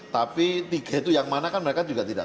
tapi tiga itu yang mana kan mereka juga tidak